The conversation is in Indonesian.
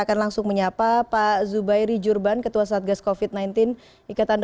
jangan jangan jumlah penambahan kasus positif covid sembilan belas itu menurun